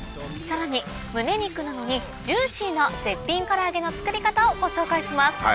さらに胸肉なのにジューシーな絶品から揚げの作り方をご紹介します。